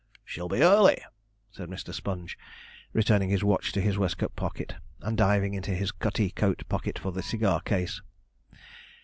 'Shall be early,' said Mr. Sponge, returning his watch to his waistcoat pocket, and diving into his cutty coat pocket for the cigar case.